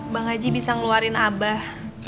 bang haji bisa ngeluarin abah